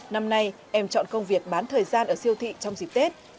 năm nay em chọn công việc bán thời gian ở siêu thị trong dịp tết